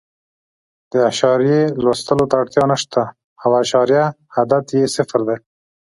د اعشاریې لوستلو ته اړتیا نه شته او اعشاریه عدد یې صفر وي.